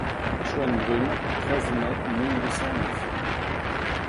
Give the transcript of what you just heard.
Schoenbrunn, treize mai mille huit cent neuf.